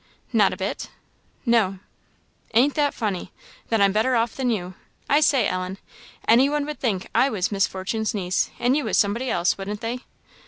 "Not a bit?" "No." "Ain't that funny! Then I'm better off than you. I say, Ellen, any one would think I was Miss Fortune's niece, and you was somebody else, wouldn't they?